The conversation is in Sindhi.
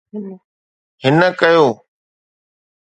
هن ڪيو.